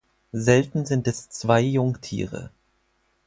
Selten sind es zwei Jungtiere.